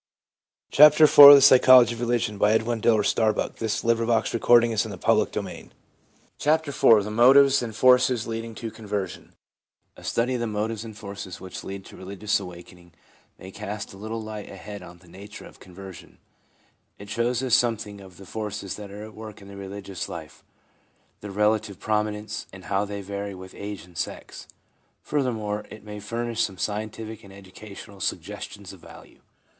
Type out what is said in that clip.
igious interest, we have a partial description of the processes which cause the later en largements of the curves, CHAPTER IV THE MOTIVES AND FORCES LEADING TO CONVERSION A STUDY of the motives and forces which lead to religious awakening may cast a little light ahead on the nature of conversion. It shows us something of the forces that are at work in the religious life, their relative prominence, and how they vary with age and sex. Furthermore, it may furnish some scientific and educational suggestions of value.